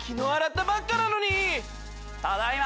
ただいま！